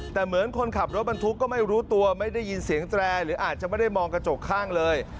แต่เหมือนคนขับรถบรรทุกก็ไม่รู้ตัวไม่ได้ยินเสียงแตรหรืออาจจะไม่ได้มองกระจกข้างเลย